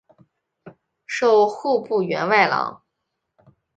授户部员外郎。